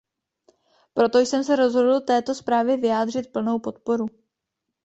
Proto jsem se rozhodl této zprávě vyjádřit plnou podporu.